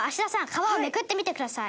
川をめくってみてください。